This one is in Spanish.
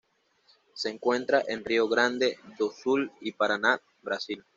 Se encuentra en Rio Grande do Sul y Paraná, Brasil.